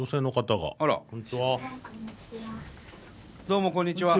どうもこんにちは。